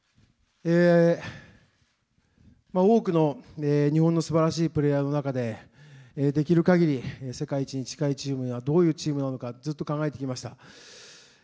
多くの日本のすばらしいプレーヤーの中で、できるかぎり世界一に近いチームには、どういうチームなのか、ずっと考えてきました。